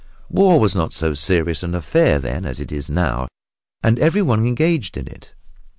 War was not so serious an affair then as it is now, and everyone engaged in it.